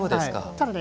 ただね